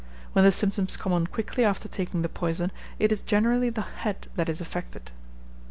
When the symptoms come on quickly after taking the poison, it is generally the head that is affected.